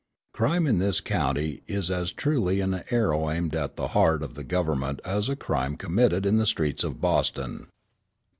Crime in this county is as truly an arrow aimed at the heart of the government as a crime committed in the streets of Boston.